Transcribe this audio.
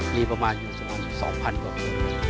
มีประมาณอยู่สองพันกว่าคน